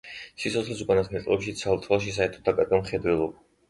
სიცოცხლის უკანასკნელ წლებში ცალ თვალში საერთოდ დაკარგა მხედველობა.